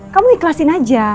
kamu ikhlasin aja